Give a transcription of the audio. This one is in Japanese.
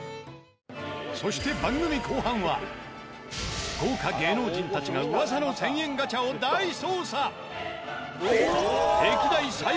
そして番組後半は豪華芸能人たちが噂の１０００円ガチャを大捜査！